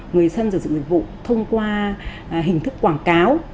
người dân sử dụng dịch vụ thông qua hình thức quảng cáo